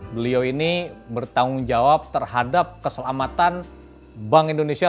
beliau ini bertanggung jawab terhadap keselamatan bank indonesia